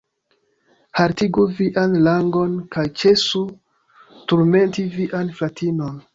Haltigu vian langon kaj ĉesu turmenti vian fratinon.